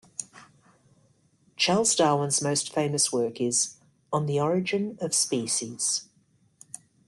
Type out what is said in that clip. Charles Darwin's most famous work is On the Origin of Species.